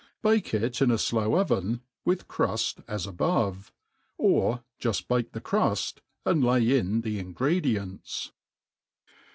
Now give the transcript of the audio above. Bake it in a How oven, with cruft as above : or juft bake the cruft, and hy in the ingredients.